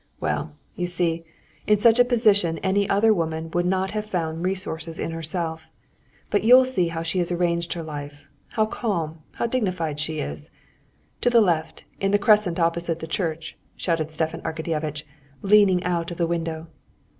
Well, you see, in such a position any other woman would not have found resources in herself. But you'll see how she has arranged her life—how calm, how dignified she is. To the left, in the crescent opposite the church!" shouted Stepan Arkadyevitch, leaning out of the window.